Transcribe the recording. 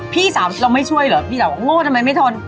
พี่สาวเราไม่ช่วยเหรอพี่สาวบอกโง่ทำไมไม่ทน